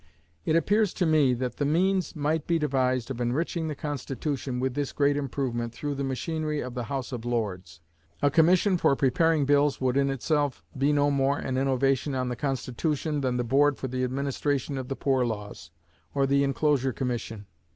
It appears to me that the means might be devised of enriching the Constitution with this great improvement through the machinery of the House of Lords. A commission for preparing bills would in itself be no more an innovation on the Constitution than the Board for the administration of the Poor Laws, or the Inclosure Commission.